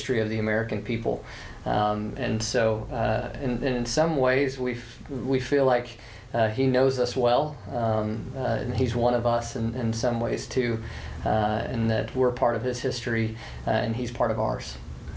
ที่จัดการให้คราวถือว่าพระอาจจะเป็นลวกชาติของพระบาท